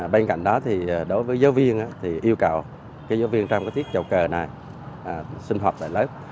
bên cạnh đó đối với giáo viên yêu cầu giáo viên trong tiết trào cờ này sinh hoạt tại lớp